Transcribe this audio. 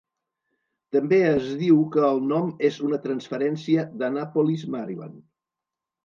També es diu que el nom és una transferència d'Annapolis, Maryland.